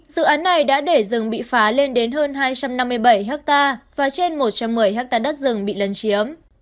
dự án này đã để rừng bị phá lên đến hơn hai trăm năm mươi bảy hectare và trên một trăm một mươi ha đất rừng bị lấn chiếm